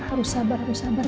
kamu harus sabar